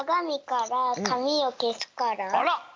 あら！